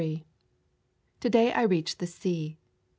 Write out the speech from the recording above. To day I reached the C) sea.